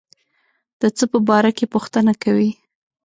د څه په باره کې پوښتنه کوي.